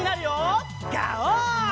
ガオー！